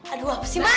aduh apa sih melly